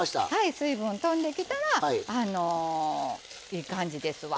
水分とんできたらいい感じですわ。